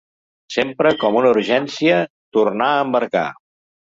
Sempre, com una urgència: tornar a embarcar.